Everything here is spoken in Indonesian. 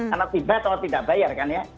karena tiba kalau tidak bayar kan ya